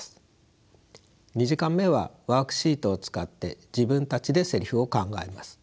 ２時間目はワークシートを使って自分たちでせりふを考えます。